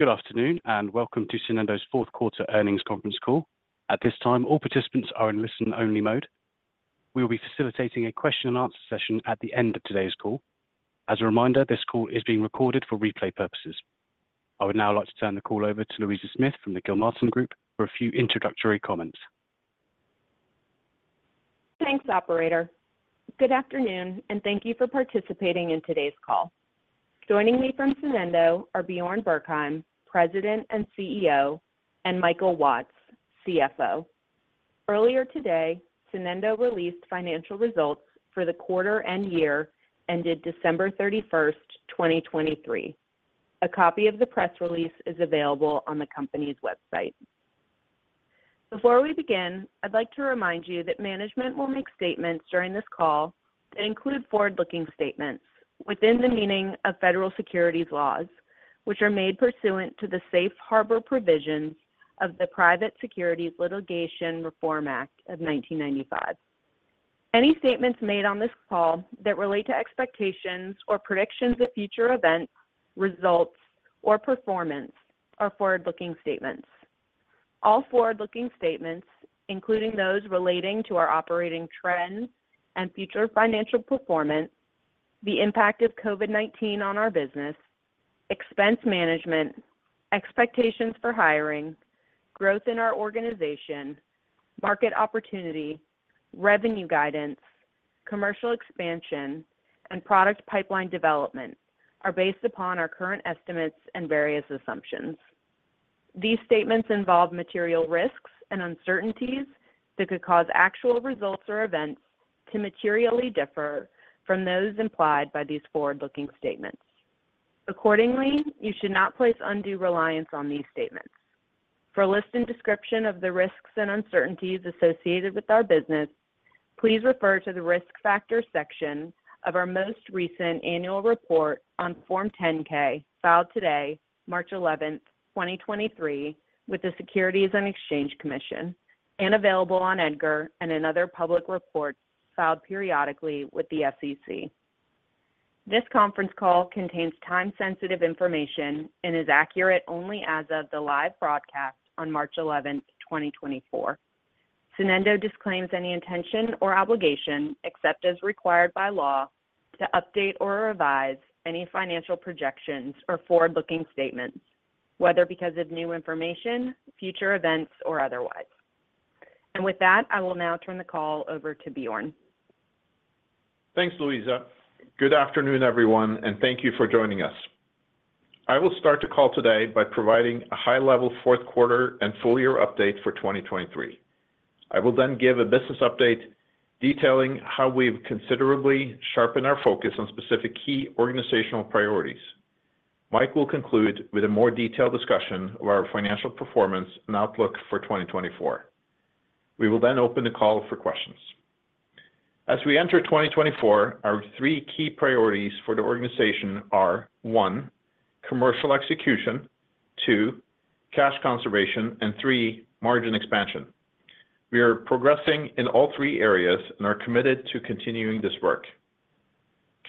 Good afternoon, and welcome to Sonendo's fourth quarter earnings conference call. At this time, all participants are in listen-only mode. We will be facilitating a question and answer session at the end of today's call. As a reminder, this call is being recorded for replay purposes. I would now like to turn the call over to Louisa Smith from the Gilmartin Group for a few introductory comments. Thanks, operator. Good afternoon, and thank you for participating in today's call. Joining me from Sonendo are Bjarne Bergheim, President and CEO, and Michael Watts, CFO. Earlier today, Sonendo released financial results for the quarter and year ended December 31st, 2023. A copy of the press release is available on the company's website. Before we begin, I'd like to remind you that management will make statements during this call that include forward-looking statements within the meaning of federal securities laws, which are made pursuant to the Safe Harbor Provisions of the Private Securities Litigation Reform Act of 1995. Any statements made on this call that relate to expectations or predictions of future events, results, or performance are forward-looking statements. All forward-looking statements, including those relating to our operating trends and future financial performance, the impact of COVID-19 on our business, expense management, expectations for hiring, growth in our organization, market opportunity, revenue guidance, commercial expansion, and product pipeline development, are based upon our current estimates and various assumptions. These statements involve material risks and uncertainties that could cause actual results or events to materially differ from those implied by these forward-looking statements. Accordingly, you should not place undue reliance on these statements. For a list and description of the risks and uncertainties associated with our business, please refer to the Risk Factors section of our most recent annual report on Form 10-K, filed today, March 11th, 2023, with the Securities and Exchange Commission and available on EDGAR and in other public reports filed periodically with the SEC. This conference call contains time-sensitive information and is accurate only as of the live broadcast on March 11th, 2024. Sonendo disclaims any intention or obligation, except as required by law, to update or revise any financial projections or forward-looking statements, whether because of new information, future events, or otherwise. With that, I will now turn the call over to Bjarne. Thanks, Louisa. Good afternoon, everyone, and thank you for joining us. I will start the call today by providing a high-level fourth quarter and full-year update for 2023. I will then give a business update detailing how we've considerably sharpened our focus on specific key organizational priorities. Mike will conclude with a more detailed discussion of our financial performance and outlook for 2024. We will then open the call for questions. As we enter 2024, our three key priorities for the organization are, one, commercial execution, two, cash conservation, and three, margin expansion. We are progressing in all three areas and are committed to continuing this work.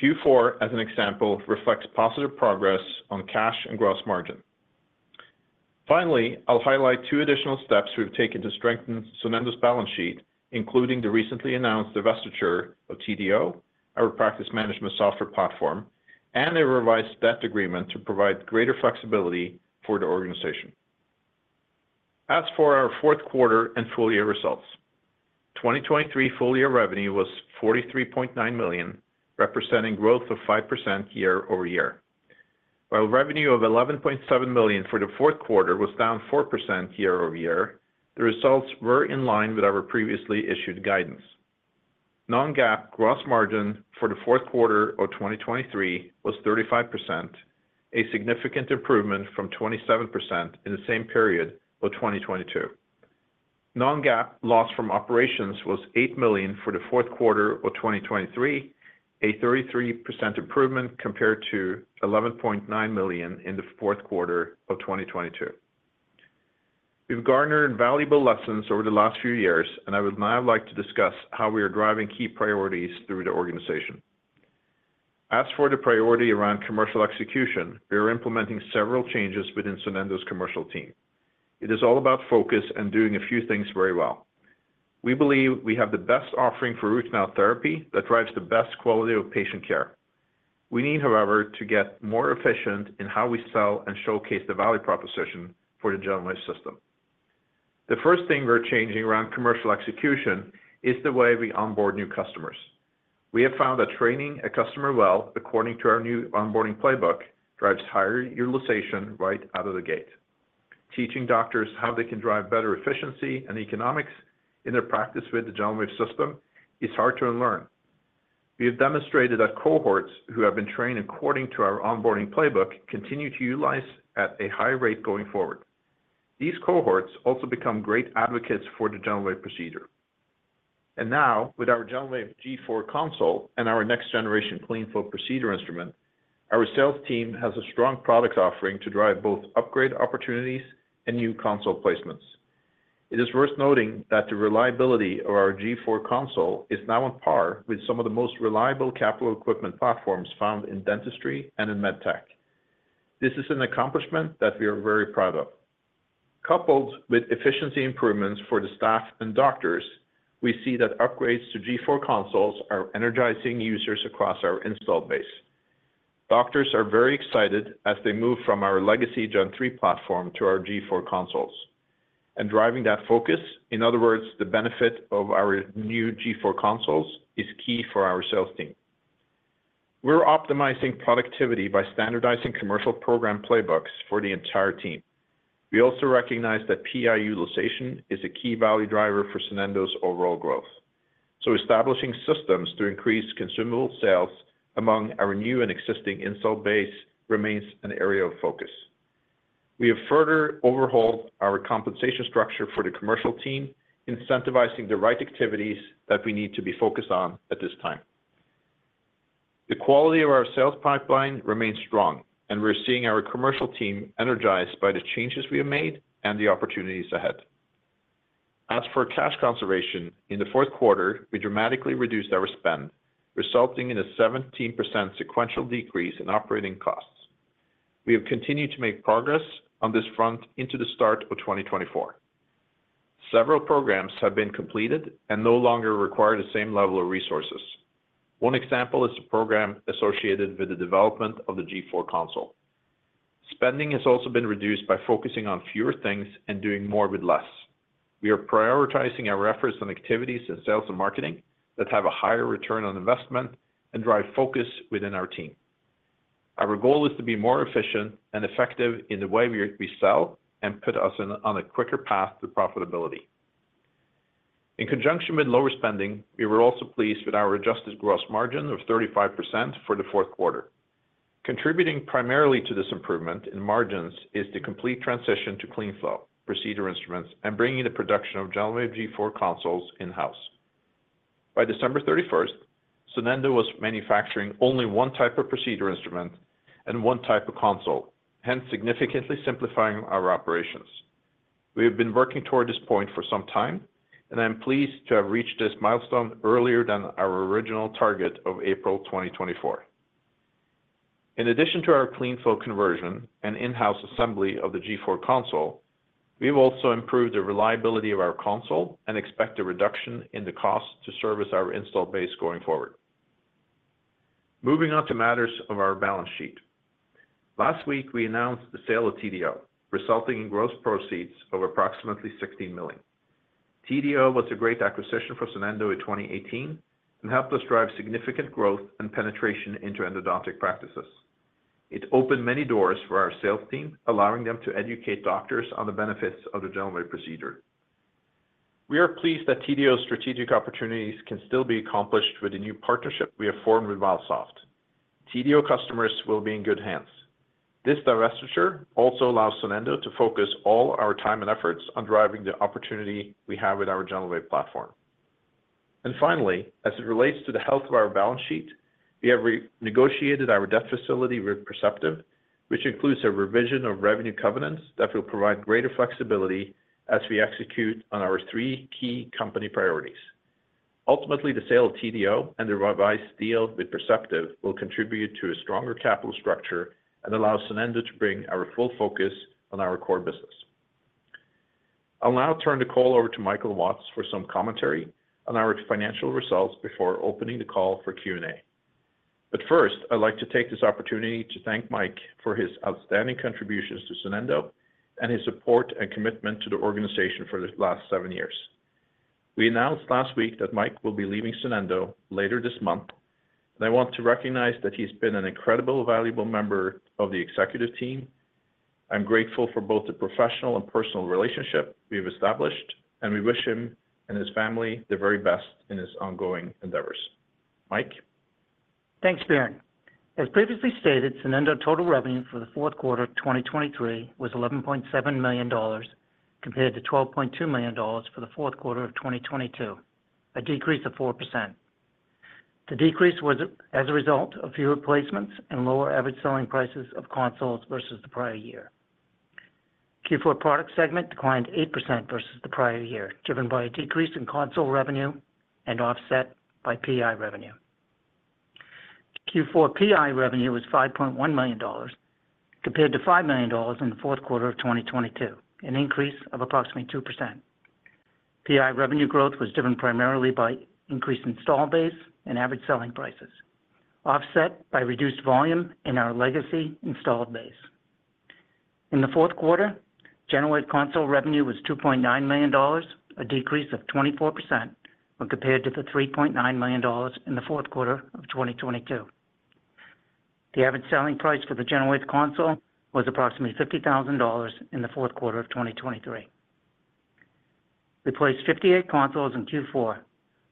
Q4, as an example, reflects positive progress on cash and gross margin. Finally, I'll highlight two additional steps we've taken to strengthen Sonendo's balance sheet, including the recently announced divestiture of TDO, our practice management software platform, and a revised debt agreement to provide greater flexibility for the organization. As for our fourth quarter and full-year results, 2023 full-year revenue was $43.9 million, representing growth of 5% year-over-year. While revenue of $11.7 million for the fourth quarter was down 4% year-over-year, the results were in line with our previously issued guidance. Non-GAAP gross margin for the fourth quarter of 2023 was 35%, a significant improvement from 27% in the same period of 2022. Non-GAAP loss from operations was $8 million for the fourth quarter of 2023, a 33% improvement compared to $11.9 million in the fourth quarter of 2022. We've garnered valuable lessons over the last few years, and I would now like to discuss how we are driving key priorities through the organization. As for the priority around commercial execution, we are implementing several changes within Sonendo's commercial team. It is all about focus and doing a few things very well. We believe we have the best offering for root canal therapy that drives the best quality of patient care. We need, however, to get more efficient in how we sell and showcase the value proposition for the GentleWave System. The first thing we're changing around commercial execution is the way we onboard new customers. We have found that training a customer well according to our new onboarding playbook, drives higher utilization right out of the gate. Teaching doctors how they can drive better efficiency and economics in their practice with the GentleWave System is hard to unlearn. We have demonstrated that cohorts who have been trained according to our onboarding playbook continue to utilize at a high rate going forward. These cohorts also become great advocates for the GentleWave procedure. And now, with our GentleWave G4 console and our next-generation CleanFlow procedure instrument, our sales team has a strong product offering to drive both upgrade opportunities and new console placements.... It is worth noting that the reliability of our G4 console is now on par with some of the most reliable capital equipment platforms found in dentistry and in medtech. This is an accomplishment that we are very proud of. Coupled with efficiency improvements for the staff and doctors, we see that upgrades to G4 consoles are energizing users across our installed base. Doctors are very excited as they move from our legacy Gen3 platform to our G4 consoles, and driving that focus, in other words, the benefit of our new G4 consoles, is key for our sales team. We're optimizing productivity by standardizing commercial program playbooks for the entire team. We also recognize that PI utilization is a key value driver for Sonendo's overall growth, so establishing systems to increase consumable sales among our new and existing installed base remains an area of focus. We have further overhauled our compensation structure for the commercial team, incentivizing the right activities that we need to be focused on at this time. The quality of our sales pipeline remains strong, and we're seeing our commercial team energized by the changes we have made and the opportunities ahead. As for cash conservation, in the fourth quarter, we dramatically reduced our spend, resulting in a 17% sequential decrease in operating costs. We have continued to make progress on this front into the start of 2024. Several programs have been completed and no longer require the same level of resources. One example is the program associated with the development of the G4 console. Spending has also been reduced by focusing on fewer things and doing more with less. We are prioritizing our efforts on activities in sales and marketing that have a higher return on investment and drive focus within our team. Our goal is to be more efficient and effective in the way we sell and put us on a quicker path to profitability. In conjunction with lower spending, we were also pleased with our adjusted gross margin of 35% for the fourth quarter. Contributing primarily to this improvement in margins is the complete transition to CleanFlow procedure instruments and bringing the production of GentleWave G4 consoles in-house. By December 31st, Sonendo was manufacturing only one type of procedure instrument and one type of console, hence significantly simplifying our operations. We have been working toward this point for some time, and I'm pleased to have reached this milestone earlier than our original target of April 2024. In addition to our CleanFlow conversion and in-house assembly of the G4 console, we've also improved the reliability of our console and expect a reduction in the cost to service our installed base going forward. Moving on to matters of our balance sheet. Last week, we announced the sale of TDO, resulting in gross proceeds of approximately $16 million. TDO was a great acquisition for Sonendo in 2018 and helped us drive significant growth and penetration into endodontic practices. It opened many doors for our sales team, allowing them to educate doctors on the benefits of the GentleWave procedure. We are pleased that TDO's strategic opportunities can still be accomplished with a new partnership we have formed with Valsoft. TDO customers will be in good hands. This divestiture also allows Sonendo to focus all our time and efforts on driving the opportunity we have with our GentleWave platform. And finally, as it relates to the health of our balance sheet, we have renegotiated our debt facility with Perceptive, which includes a revision of revenue covenants that will provide greater flexibility as we execute on our three key company priorities. Ultimately, the sale of TDO and the revised deal with Perceptive will contribute to a stronger capital structure and allow Sonendo to bring our full focus on our core business. I'll now turn the call over to Michael Watts for some commentary on our financial results before opening the call for Q&A. But first, I'd like to take this opportunity to thank Mike for his outstanding contributions to Sonendo and his support and commitment to the organization for the last seven years. We announced last week that Mike will be leaving Sonendo later this month, and I want to recognize that he's been an incredible, valuable member of the executive team. I'm grateful for both the professional and personal relationship we've established, and we wish him and his family the very best in his ongoing endeavors. Mike? Thanks, Bjarne. As previously stated, Sonendo total revenue for the fourth quarter of 2023 was $11.7 million, compared to $12.2 million for the fourth quarter of 2022, a decrease of 4%. The decrease was as a result of fewer placements and lower average selling prices of consoles versus the prior year. Q4 product segment declined 8% versus the prior year, driven by a decrease in console revenue and offset by PI revenue. Q4 PI revenue was $5.1 million, compared to $5 million in the fourth quarter of 2022, an increase of approximately 2%. PI revenue growth was driven primarily by increased install base and average selling prices, offset by reduced volume in our legacy installed base. In the fourth quarter, GentleWave console revenue was $2.9 million, a decrease of 24% when compared to the $3.9 million in the fourth quarter of 2022. The average selling price for the GentleWave console was approximately $50,000 in the fourth quarter of 2023. We placed 58 consoles in Q4,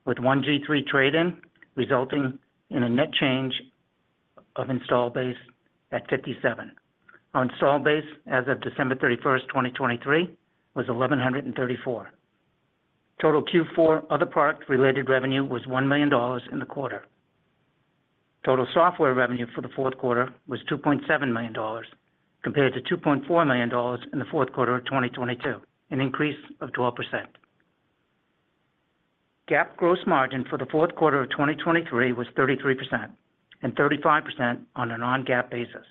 with one G3 trade-in, resulting in a net change of install base at 57. Our install base as of December 31st, 2023, was 1,134. Total Q4 other product-related revenue was $1 million in the quarter. Total software revenue for the fourth quarter was $2.7 million, compared to $2.4 million in the fourth quarter of 2022, an increase of 12%. GAAP gross margin for the fourth quarter of 2023 was 33% and 35% on a non-GAAP basis,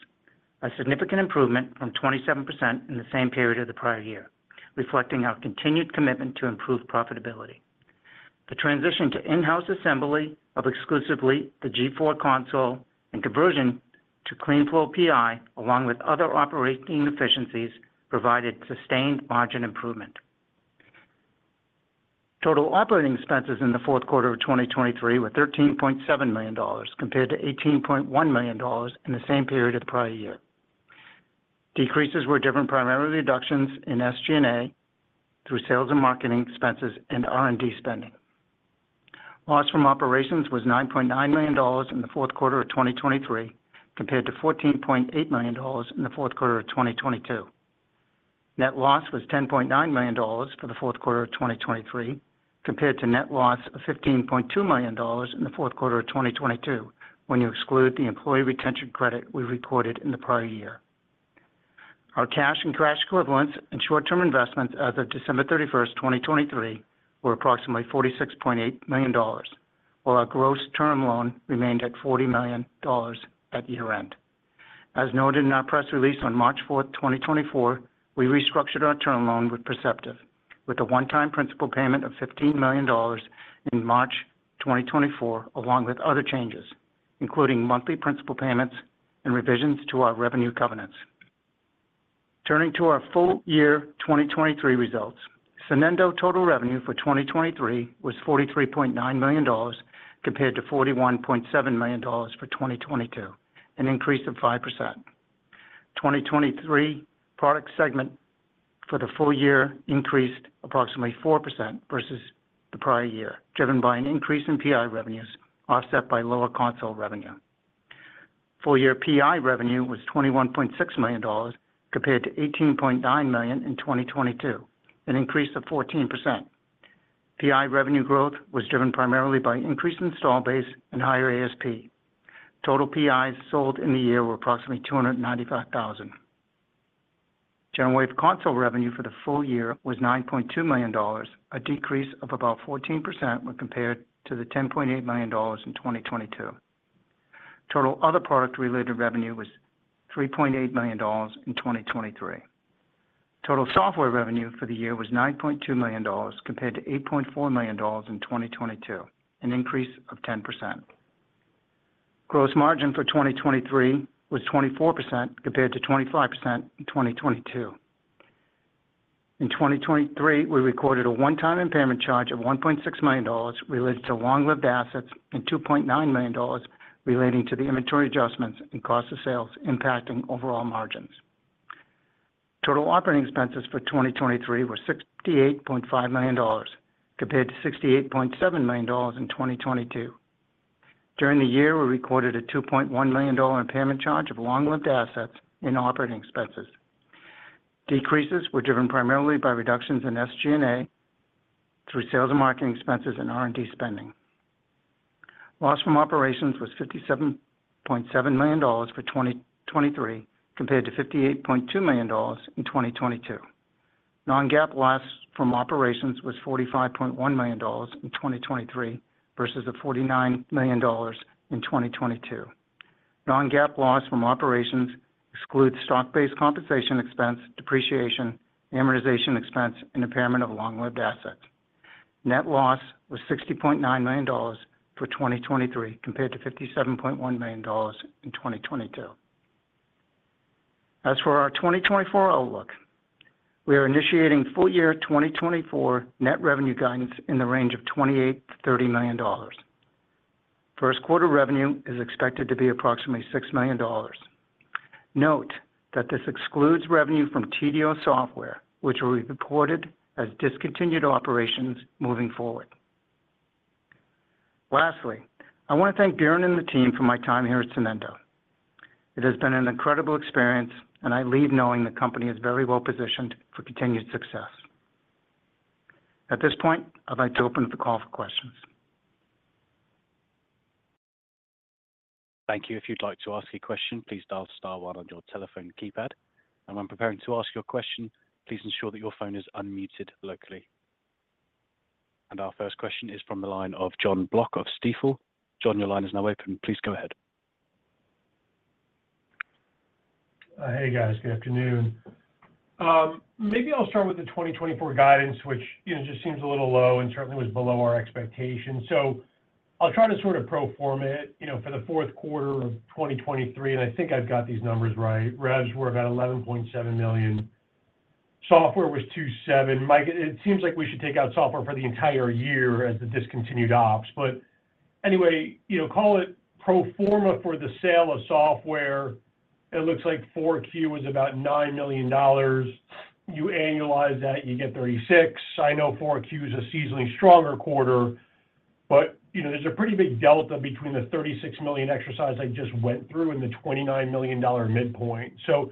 a significant improvement from 27% in the same period of the prior year, reflecting our continued commitment to improve profitability. The transition to in-house assembly of exclusively the G4 console and conversion to CleanFlow PI, along with other operating efficiencies, provided sustained margin improvement. Total operating expenses in the fourth quarter of 2023 were $13.7 million, compared to $18.1 million in the same period of the prior year. Decreases were driven primarily by reductions in SG&A through sales and marketing expenses and R&D spending. Loss from operations was $9.9 million in the fourth quarter of 2023, compared to $14.8 million in the fourth quarter of 2022. Net loss was $10.9 million for the fourth quarter of 2023, compared to net loss of $15.2 million in the fourth quarter of 2022, when you exclude the employee retention credit we reported in the prior year. Our cash and cash equivalents and short-term investments as of December 31st, 2023, were approximately $46.8 million, while our gross term loan remained at $40 million at year-end. As noted in our press release on March 4th, 2024, we restructured our term loan with Perceptive, with a one-time principal payment of $15 million in March 2024, along with other changes, including monthly principal payments and revisions to our revenue covenants. Turning to our full year 2023 results, Sonendo total revenue for 2023 was $43.9 million, compared to $41.7 million for 2022, an increase of 5%. 2023 product segment for the full year increased approximately 4% versus the prior year, driven by an increase in PI revenues, offset by lower console revenue. Full year PI revenue was $21.6 million, compared to $18.9 million in 2022, an increase of 14%. PI revenue growth was driven primarily by increased install base and higher ASP. Total PIs sold in the year were approximately 295,000. GentleWave console revenue for the full year was $9.2 million, a decrease of about 14% when compared to the $10.8 million in 2022. Total other product-related revenue was $3.8 million in 2023. Total software revenue for the year was $9.2 million, compared to $8.4 million in 2022, an increase of 10%. Gross margin for 2023 was 24%, compared to 25% in 2022. In 2023, we recorded a one-time impairment charge of $1.6 million related to long-lived assets and $2.9 million relating to the inventory adjustments and cost of sales impacting overall margins. Total operating expenses for 2023 were $68.5 million, compared to $68.7 million in 2022. During the year, we recorded a $2.1 million impairment charge of long-lived assets in operating expenses. Decreases were driven primarily by reductions in SG&A through sales and marketing expenses and R&D spending. Loss from operations was $57.7 million for 2023, compared to $58.2 million in 2022. Non-GAAP loss from operations was $45.1 million in 2023 versus $49 million in 2022. Non-GAAP loss from operations excludes stock-based compensation expense, depreciation, amortization expense, and impairment of long-lived assets. Net loss was $60.9 million for 2023, compared to $57.1 million in 2022. As for our 2024 outlook, we are initiating full year 2024 net revenue guidance in the range of $28 million-$30 million. First quarter revenue is expected to be approximately $6 million. Note that this excludes revenue from TDO Software, which will be reported as discontinued operations moving forward. Lastly, I want to thank Bjarne and the team for my time here at Sonendo. It has been an incredible experience, and I leave knowing the company is very well positioned for continued success. At this point, I'd like to open the call for questions. Thank you. If you'd like to ask a question, please dial star one on your telephone keypad, and when preparing to ask your question, please ensure that your phone is unmuted locally. Our first question is from the line of Jon Block of Stifel. Jon, your line is now open. Please go ahead. Hey, guys. Good afternoon. Maybe I'll start with the 2024 guidance, which, you know, just seems a little low and certainly was below our expectations. So I'll try to sort of pro forma it, you know, for the fourth quarter of 2023, and I think I've got these numbers right. Revs were about $11.7 million. Software was $2.7 million. Mike, it seems like we should take out software for the entire year as the discontinued ops. But anyway, you know, call it pro forma for the sale of software. It looks like 4Q was about $9 million. You annualize that, you get 36. I know 4Q is a seasonally stronger quarter, but, you know, there's a pretty big delta between the 36 million exercise I just went through and the $29 million midpoint. So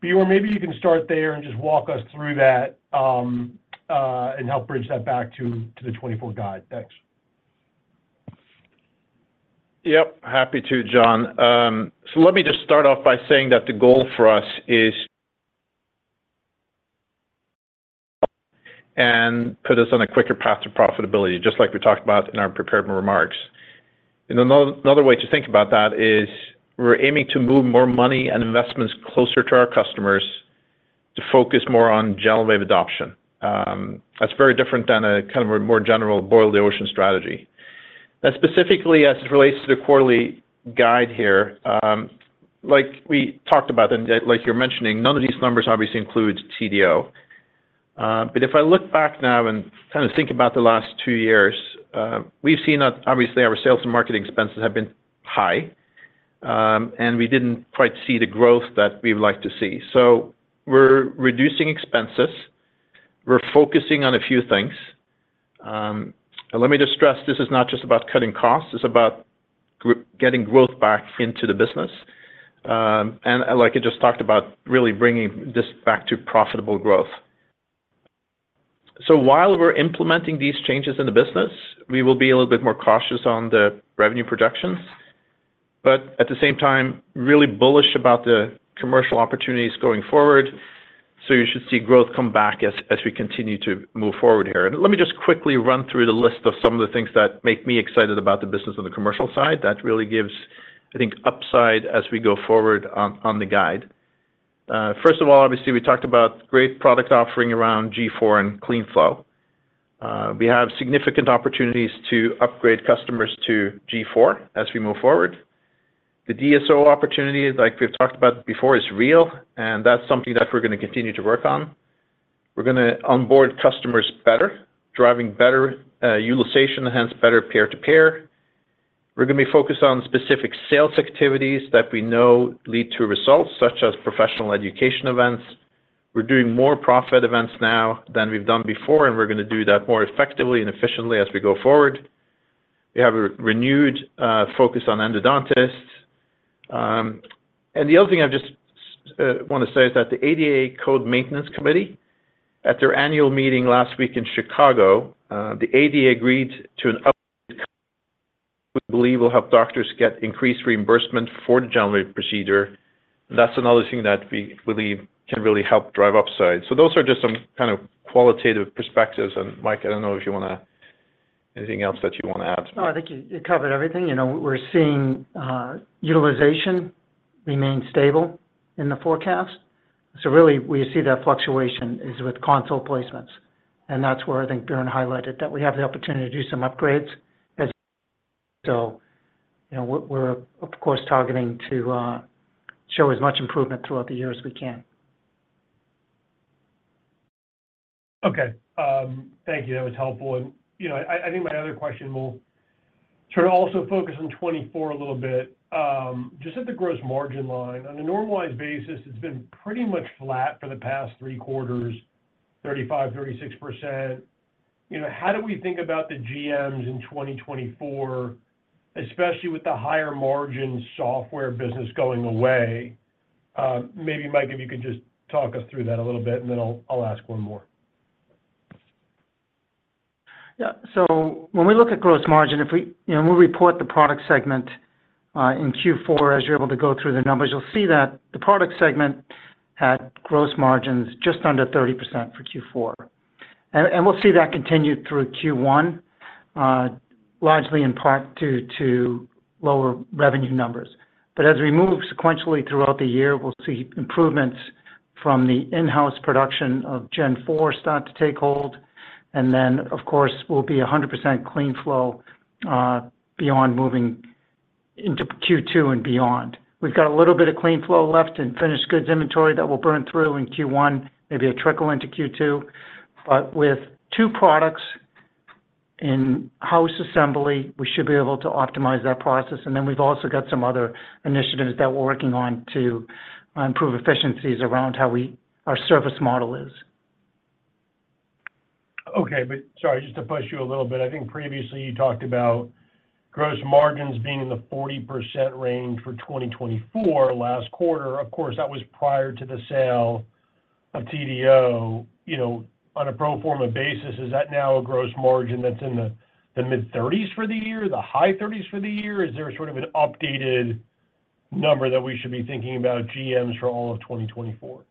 Bjarne, maybe you can start there and just walk us through that, and help bridge that back to the 2024 guide. Thanks. Yep, happy to, Jon. So let me just start off by saying that the goal for us is and put us on a quicker path to profitability, just like we talked about in our prepared remarks. And another way to think about that is we're aiming to move more money and investments closer to our customers to focus more on GentleWave adoption. That's very different than a kind of a more general boil the ocean strategy. Now, specifically, as it relates to the quarterly guide here, like we talked about and like you're mentioning, none of these numbers obviously include TDO. But if I look back now and kinda think about the last two years, we've seen that obviously, our sales and marketing expenses have been high, and we didn't quite see the growth that we would like to see. So we're reducing expenses, we're focusing on a few things. And let me just stress, this is not just about cutting costs, it's about getting growth back into the business. And like I just talked about, really bringing this back to profitable growth. So while we're implementing these changes in the business, we will be a little bit more cautious on the revenue projections, but at the same time, really bullish about the commercial opportunities going forward. So you should see growth come back as we continue to move forward here. And let me just quickly run through the list of some of the things that make me excited about the business on the commercial side that really gives, I think, upside as we go forward on the guide. First of all, obviously, we talked about great product offering around G4 and CleanFlow. We have significant opportunities to upgrade customers to G4 as we move forward. The DSO opportunity, like we've talked about before, is real, and that's something that we're gonna continue to work on. We're gonna onboard customers better, driving better utilization, hence better peer-to-peer. We're gonna be focused on specific sales activities that we know lead to results, such as professional education events. We're doing more pro events now than we've done before, and we're gonna do that more effectively and efficiently as we go forward. We have a renewed focus on endodontists. And the other thing I just wanna say is that the ADA Code Maintenance Committee, at their annual meeting last week in Chicago, the ADA agreed to an update we believe will help doctors get increased reimbursement for the GentleWave procedure. That's another thing that we believe can really help drive upside. So those are just some kind of qualitative perspectives. And, Mike, I don't know if you wanna-- anything else that you wanna add? No, I think you, you covered everything. You know, we're seeing utilization remain stable in the forecast. So really, we see that fluctuation is with console placements, and that's where I think Bjarne highlighted that we have the opportunity to do some upgrades as so. You know, we're, we're of course, targeting to show as much improvement throughout the year as we can. Okay, thank you. That was helpful. You know, I think my other question will sort of also focus on 2024 a little bit. Just at the gross margin line, on a normalized basis, it's been pretty much flat for the past three quarters, 35%-36%. You know, how do we think about the GMs in 2024, especially with the higher margin software business going away? Maybe, Mike, if you could just talk us through that a little bit, and then I'll ask one more. Yeah. So when we look at gross margin, if we, you know, we'll report the product segment in Q4. As you're able to go through the numbers, you'll see that the product segment had gross margins just under 30% for Q4. And we'll see that continue through Q1, largely in part due to lower revenue numbers. But as we move sequentially throughout the year, we'll see improvements from the in-house production of Gen 4 start to take hold, and then, of course, we'll be 100% CleanFlow beyond moving into Q2 and beyond. We've got a little bit of CleanFlow left in finished goods inventory that will burn through in Q1, maybe a trickle into Q2. But with two products in-house assembly, we should be able to optimize that process. And then we've also got some other initiatives that we're working on to improve efficiencies around how our service model is. Okay, but sorry, just to push you a little bit. I think previously you talked about gross margins being in the 40% range for 2024 last quarter. Of course, that was prior to the sale of TDO. You know, on a pro forma basis, is that now a gross margin that's in the mid-30s for the year, the high 30s for the year? Is there sort of an updated number that we should be thinking about GMs for all of 2024?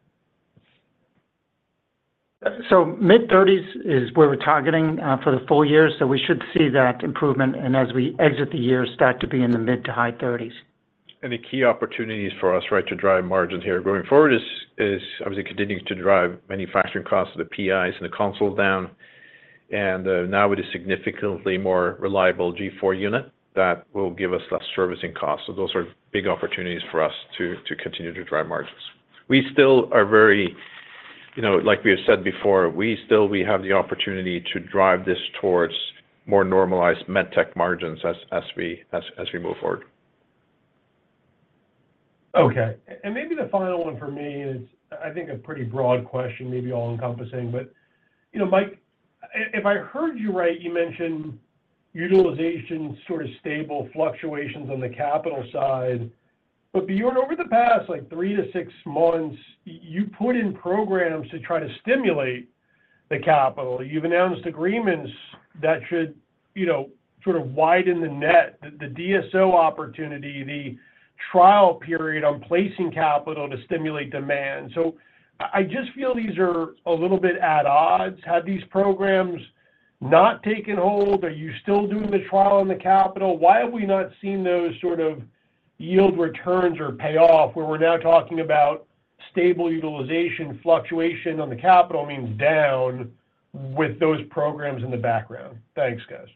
So mid-30s is where we're targeting for the full year, so we should see that improvement, and as we exit the year, start to be in the mid to high thirties. The key opportunities for us, right, to drive margin here going forward is obviously continuing to drive manufacturing costs of the PIs and the console down, and now with a significantly more reliable G4 unit, that will give us less servicing costs. So those are big opportunities for us to continue to drive margins. We still are very, you know. Like we have said before, we still, we have the opportunity to drive this towards more normalized med tech margins as we move forward. Okay, and maybe the final one for me is, I think, a pretty broad question, maybe all-encompassing, but, you know, Mike, if I heard you right, you mentioned utilization, sort of stable fluctuations on the capital side. But beyond over the past, like, three to six months, you put in programs to try to stimulate the capital. You've announced agreements that should, you know, sort of widen the net, the, the DSO opportunity, the trial period on placing capital to stimulate demand. So I just feel these are a little bit at odds. Have these programs not taken hold? Are you still doing the trial on the capital? Why have we not seen those sort of yield returns or payoff, where we're now talking about stable utilization, fluctuation on the capital means down with those programs in the background? Thanks, guys.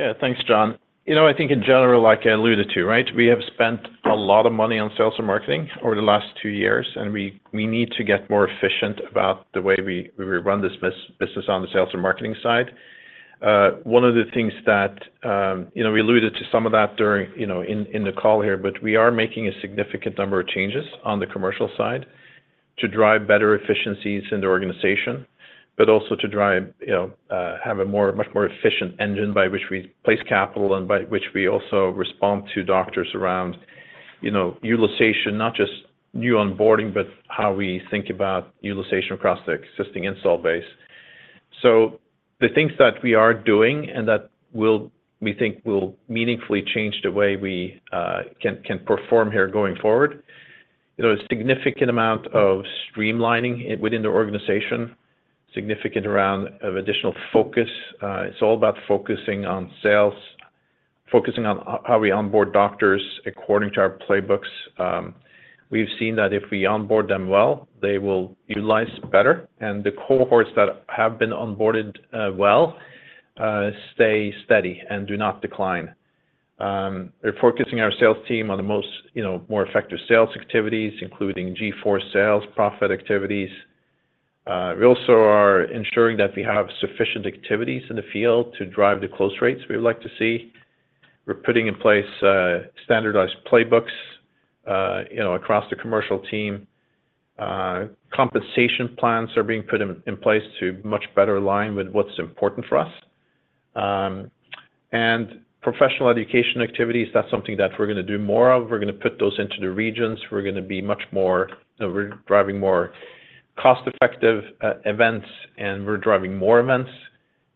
Yeah. Thanks, Jon. You know, I think in general, like I alluded to, right? We have spent a lot of money on sales and marketing over the last two years, and we need to get more efficient about the way we run this business on the sales and marketing side. One of the things that, you know, we alluded to some of that during, you know, in the call here, but we are making a significant number of changes on the commercial side to drive better efficiencies in the organization, but also to drive, you know, have a much more efficient engine by which we place capital and by which we also respond to doctors around, you know, utilization, not just new onboarding, but how we think about utilization across the existing install base. So the things that we are doing and that we think will meaningfully change the way we can perform here going forward, you know, a significant amount of streamlining within the organization, significant amount of additional focus. It's all about focusing on sales, focusing on how we onboard doctors according to our playbooks. We've seen that if we onboard them well, they will utilize better, and the cohorts that have been onboarded well stay steady and do not decline. We're focusing our sales team on the most, you know, more effective sales activities, including G4 sales, PI activities. We also are ensuring that we have sufficient activities in the field to drive the close rates we would like to see. We're putting in place standardized playbooks, you know, across the commercial team. Compensation plans are being put in place to much better align with what's important for us. And professional education activities, that's something that we're gonna do more of. We're gonna put those into the regions. We're gonna be much more... We're driving more cost-effective events, and we're driving more events,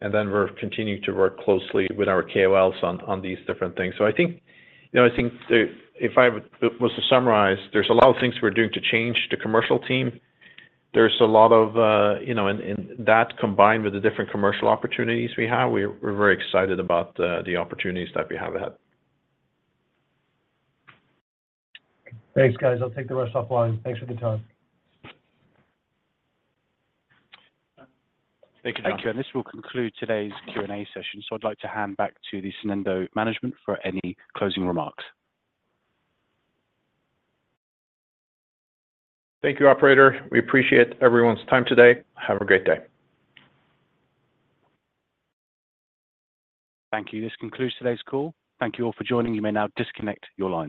and then we're continuing to work closely with our KOLs on these different things. So I think, you know, if I was to summarize, there's a lot of things we're doing to change the commercial team. There's a lot of, you know... And that, combined with the different commercial opportunities we have, we're very excited about the opportunities that we have ahead. Thanks, guys. I'll take the rest offline. Thanks for the time. Thank you, Jon. Thank you, and this will conclude today's Q&A session. So I'd like to hand back to the Sonendo management for any closing remarks. Thank you, operator. We appreciate everyone's time today. Have a great day. Thank you. This concludes today's call. Thank you all for joining. You may now disconnect your lines.